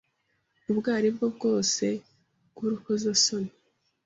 ubwo eri bwo bwose bw’urukozesoni